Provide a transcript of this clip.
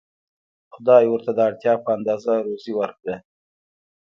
خدای ورته د اړتیا په اندازه روزي ورکړه.